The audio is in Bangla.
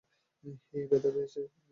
মেই, ব্যথা পেয়েছ?